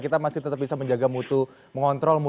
kita masih tetap bisa menjaga mutu mengontrol